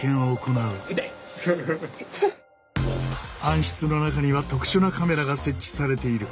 暗室の中には特殊なカメラが設置されている。